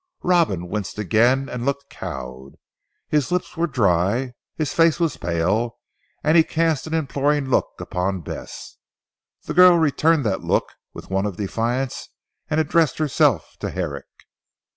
"Robin winced again and looked cowed. His lips were dry, his face was pale, and he cast an imploring look upon Bess. The girl returned that look with one of defiance and addressed herself to Herrick.